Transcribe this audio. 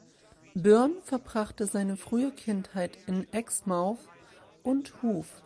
Bourne verbrachte seine frühe Kindheit in Exmouth und Hove.